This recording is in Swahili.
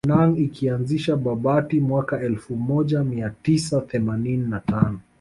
Hanang ikaianzisha Babati mwaka elfu moja mia tisa themanini na tano